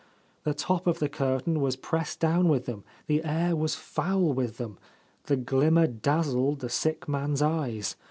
The top of the curtain was pressed down with them ; the air was foul with them ; the glimmer dazzled the sick man's eyes.